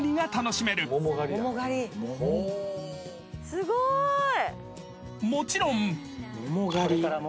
すごい！